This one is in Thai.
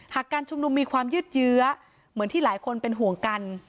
การชุมนุมมีความยืดเยื้อเหมือนที่หลายคนเป็นห่วงกัน